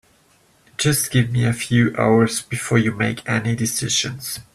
Just give me a few hours before you make any decisions.